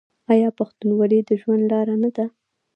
آیا پښتونولي د ژوند لاره نه ده؟